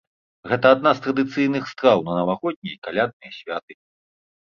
Гэта адна з традыцыйных страў на навагоднія і калядныя святы.